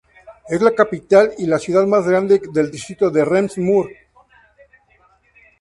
Es la capital y la ciudad más grande del Distrito de Rems-Murr.